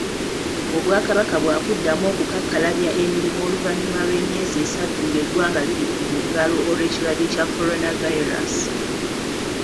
Obwakabaka bwakuddamu okukakkalabya emirimu oluvanyuma lw'emyezi esatu ng'eggwanga liri ku muggalo olw'ekirwadde kya coronavirus.